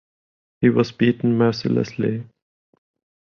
He was beaten mercilessly.